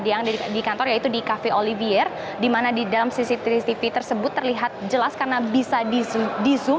yang di kantor yaitu di cafe olivier di mana di dalam cctv tersebut terlihat jelas karena bisa di zoom